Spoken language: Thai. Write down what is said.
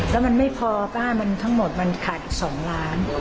แล้วมันไม่พอป้ามันทั้งหมดมันขาดอีก๒ล้าน